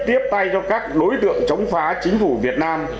tiếp tay cho các đối tượng chống phá chính phủ việt nam